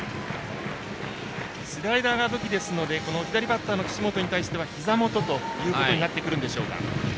スライダーが武器ですので左バッターの岸本に対してはひざ元ということになりますか。